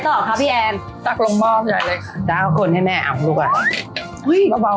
ต่อค่ะพี่แอนจากลงมอบใหญ่เลยค่ะจากก็คนให้แม่เอาดูก่อนอุ้ย